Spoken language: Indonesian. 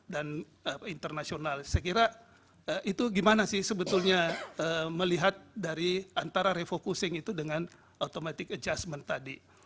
dan internasional saya kira itu gimana sih sebetulnya melihat dari antara refocusing itu dengan automatic adjustment tadi